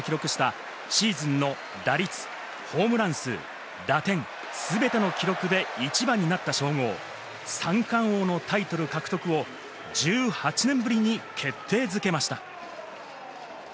ヒットを放ち、２００２年、松中信彦さんが記録したシーズンの打率、ホームラン数、打点、すべての記録で１番になった称号、三冠王のタイトル獲得を１８年ぶりに決定づけました。